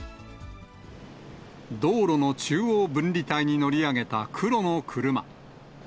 道路の中央分離帯に乗り上げた黒の車。